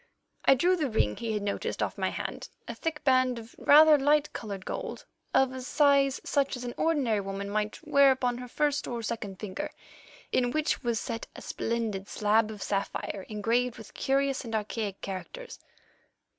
I drew the ring he had noticed off my hand, a thick band of rather light coloured gold of a size such as an ordinary woman might wear upon her first or second finger, in which was set a splendid slab of sapphire engraved with curious and archaic characters.